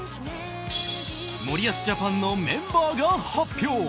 森保ジャパンのメンバーが発表！